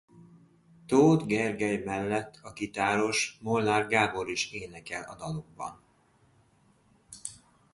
Tóth Gergely mellett a gitáros Molnár Gábor is énekel a dalokban.